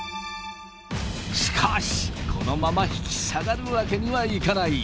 しかしこのまま引き下がるわけにはいかない！